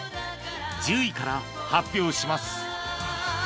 １０位から発表します